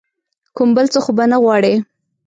کوم بل څه خو به نه غواړې ؟